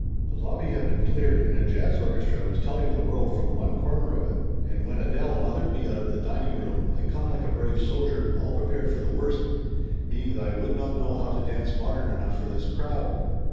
The lobby had been cleared and a jazz orchestra was telling the world from one corner of it. And when Adele mothered me out of the dining room I come like a brave soldier, all prepared for the worst, meaning Laughter Limited 97 that I would not know how to dance modern enough for this crowd.